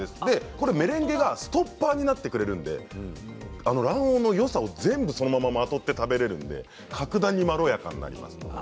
でこれメレンゲがストッパーになってくれるんで卵黄のよさを全部そのまままとって食べれるんで格段にまろやかになります。